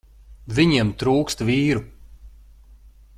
Viņiem trūkst vīru.